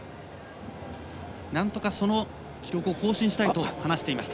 なんとかその記録を更新したいと話していました。